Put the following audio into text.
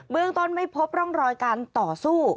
เรื่องต้นไม่พบร่องรอยการต่อสู้